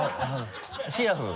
シラフ？